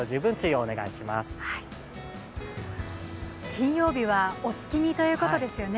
金曜日はお月見ということですよね。